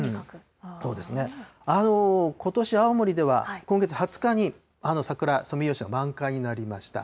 ことし、青森では今月２０日に、あの桜、ソメイヨシノが満開になりました。